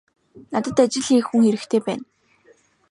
Надад ажил хийх хүн хэрэгтэй байна.